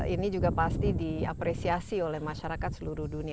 ini juga pasti diapresiasi oleh masyarakat seluruh dunia